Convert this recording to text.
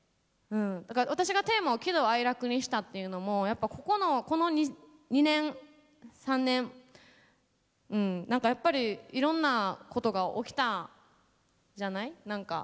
だから私がテーマを「喜怒哀楽」にしたっていうのもやっぱここのこの２年３年何かやっぱりいろんなことが起きたじゃない何か。